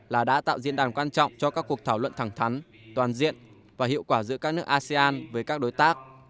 là đã tạo diễn đàn quan trọng cho các cuộc thảo luận thẳng thắn toàn diện và hiệu quả giữa các nước asean với các đối tác